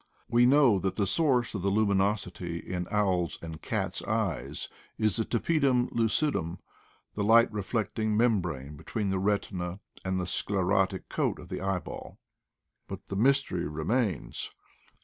We know that the source of the luminosity in owls' and cats' eyes is the tapedvm lucidum — the light reflecting membrane between the retina and the sclerotic coat of the eyeball; but the mystery remains.